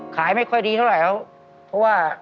ขายไม่ค่อยดีเท่าไหร่แล้วเพราะว่า